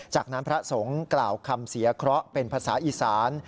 จากนั้นพระสงฆ์กล่าวคำเสียเคราะห์เป็นภาษาอีสาน